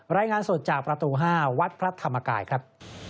รายงานสดจากประตู๕วัดพระธรรมกายครับ